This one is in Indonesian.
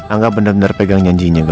angga bener bener pegang janjinya ke gue